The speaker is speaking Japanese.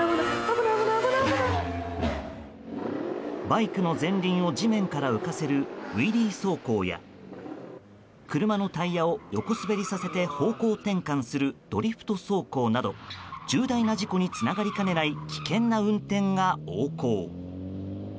バイクの前輪を地面から浮かせるウィリー走行や車のタイヤを横滑りさせて方向転換するドリフト走行など重大な事故につながりかねない危険な運転が横行。